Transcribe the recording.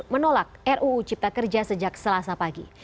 menolak ruu cipta kerja sejak selasa pagi